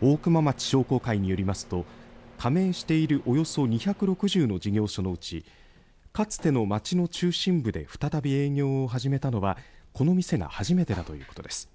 大熊町商工会によりますと加盟しているおよそ２６０の事業所のうちかつての街の中心部で再び営業を始めたのはこの店が初めてだということです。